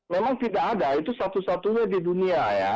memang tidak ada itu satu satunya di dunia ya